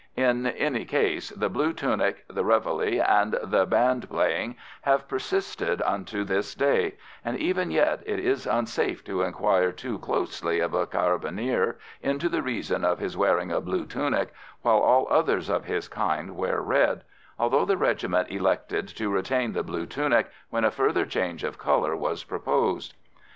In any case the blue tunic, the réveillé and the band playing have persisted unto this day, and even yet it is unsafe to inquire too closely of a Carabinier into the reason of his wearing a blue tunic while all others of his kind wear red, although the regiment elected to retain the blue tunic when a further change of colour was proposed.